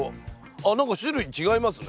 あなんか種類違いますね。